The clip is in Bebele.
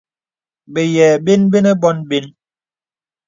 Bəyìɛ bən nə bɔ̄n bən.